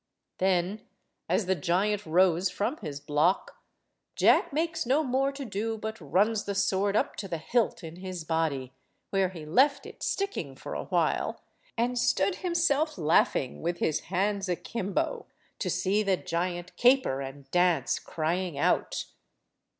Then, as the giant rose from his block, Jack makes no more to do but runs the sword up to the hilt in his body, where he left it sticking for a while, and stood himself laughing, with his hands akimbo, to see the giant caper and dance, crying out.